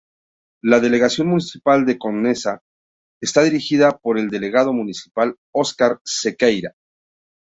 La Delegación Municipal de Conesa, está dirigida por el Delegado Municipal Oscar Sequeira.